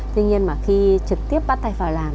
tuy nhiên mà khi trực tiếp bắt tay vào làm